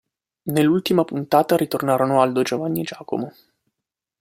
Nell'ultima puntata ritornarono Aldo, Giovanni e Giacomo.